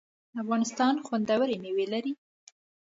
افغانستان خوندوری میوی لري